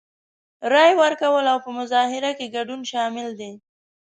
رای ورکول او په مظاهرو کې ګډون شامل دي.